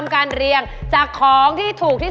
กล้วยหักมุก